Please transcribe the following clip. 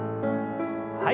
はい。